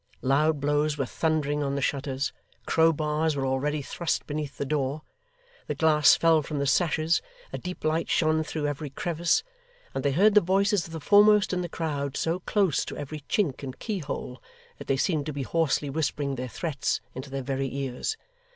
Loud blows were thundering on the shutters, crowbars were already thrust beneath the door, the glass fell from the sashes, a deep light shone through every crevice, and they heard the voices of the foremost in the crowd so close to every chink and keyhole, that they seemed to be hoarsely whispering their threats into their very ears.